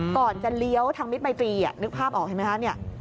ก่อนจะเลี้ยวทางมิตรมัยตรีนึกภาพออกเห็นไหมคะ